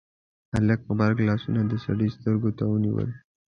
هلک غبرګ لاسونه د سړي سترګو ته ونيول: